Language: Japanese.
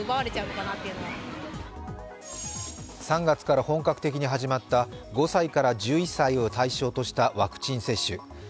３月から本格的に始まった５歳から１１歳を対象にしたワクチン接種。